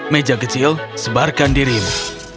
meja kecil sebarkan dirimu